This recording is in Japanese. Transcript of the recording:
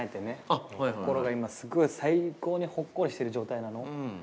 心が今すごい最高にほっこりしてる状態なの。